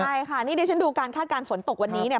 ใช่ค่ะนี่ดิฉันดูการคาดการณ์ฝนตกวันนี้เนี่ย